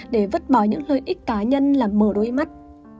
để vứt bỏ những lợi ích cá nhân làm mở đôi mắt